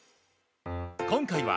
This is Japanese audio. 今回は。